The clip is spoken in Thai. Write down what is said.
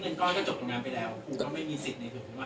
ก็ไม่มีสิทธิ์ในผลคุณว่า